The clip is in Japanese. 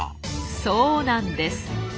そうなんです。